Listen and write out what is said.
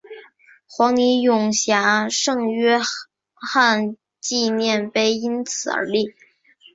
黄泥涌峡圣约翰纪念碑因此而立。